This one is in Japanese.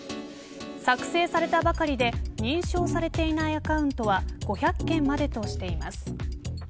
作成されたばかりで認証されていないアカウントは５００件までとしています。